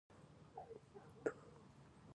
تودوخه د افغانستان د صادراتو برخه ده.